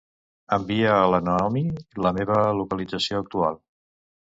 Envia a la Naomi la meva localització actual.